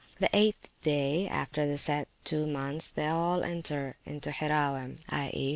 The eighth day after the said two months they all enter into Hirrawem, i.